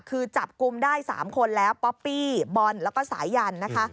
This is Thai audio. คือจับกุมได้๓คนแล้วป๊อปปี้บอลและแสหยัน